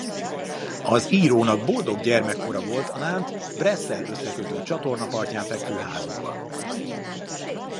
Az írónak boldog gyermekkora volt a Nantes-t Brest-tel összekötő csatorna partján fekvő házukban.